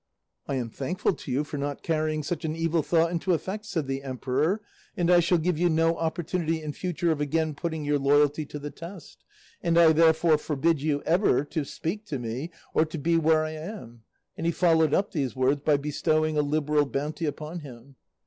'I am thankful to you for not carrying such an evil thought into effect,' said the emperor, 'and I shall give you no opportunity in future of again putting your loyalty to the test; and I therefore forbid you ever to speak to me or to be where I am; and he followed up these words by bestowing a liberal bounty upon him.